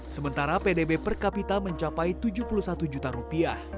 sementara pdb per kapita mencapai rp tujuh puluh satu